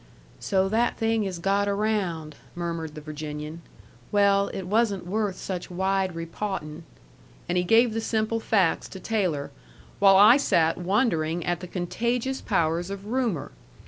"So that thing has got around," murmured the Virginian. "Well, it wasn't worth such wide repawtin'." And he gave the simple facts to Taylor, while I sat wondering at the contagious powers of Rumor.